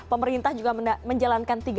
pemerintah juga menjalankan tiga t